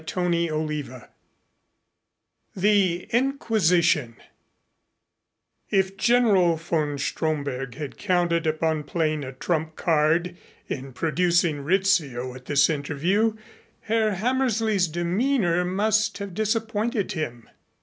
CHAPTER XV THE INQUISITION If General von Stromberg had counted upon playing a trump card in producing Rizzio at this interview, Herr Hammersley's demeanor must have disappointed him.